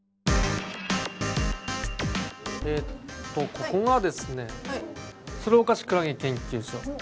ここがですね鶴岡市クラゲ研究所。